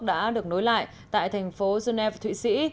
đã được nối lại tại thành phố geneva thụy sĩ